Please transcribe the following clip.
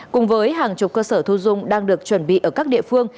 cùng với hàng chục cơ sở thu dung đang được chuẩn bị ở các địa phương